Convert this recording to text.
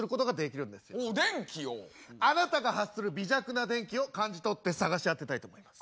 あなたが発する微弱な電気を感じ取って捜し当てたいと思います。